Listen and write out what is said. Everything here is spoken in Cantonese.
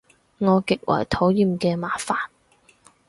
我極為討厭嘅麻煩